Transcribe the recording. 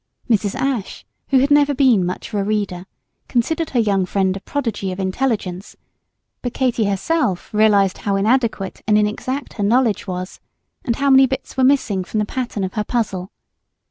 Mrs. Ashe, who had never been much of a reader, considered her young friend a prodigy of intelligence; but Katy herself realized how inadequate and inexact her knowledge was, and how many bits were missing from the pattern of her puzzle.